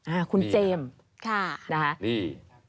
อ่าคุณเจมส์ค่ะนี่